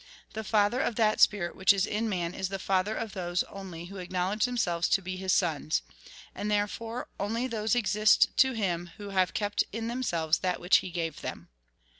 The Father of that spirit which is in man is the Father of those only who acknowledge themselves to be His sons. And, therefore, only those exist to Him who have kept in themselves that which He gave them."